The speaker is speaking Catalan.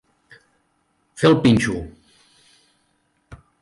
Fer el pinxo.